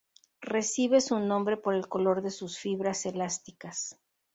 Recibe su nombre por el color de sus fibras elásticas.